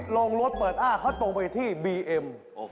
ลงรถเปิดอ้าเขาตรงไปที่บีเอ็ม